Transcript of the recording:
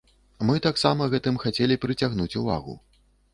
Мы таксама гэтым хацелі прыцягнуць увагу.